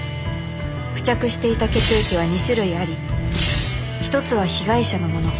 付着していた血液は２種類あり一つは被害者のもの